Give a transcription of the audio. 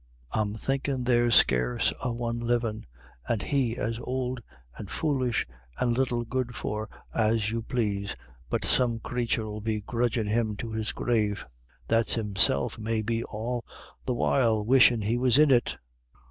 I'm thinkin' there's scarce a one livin', and he as ould and foolish and little good for as you plase, but some crathur'ill be grudgin' him to his grave, that's himself may be all the while wishin' he was in it.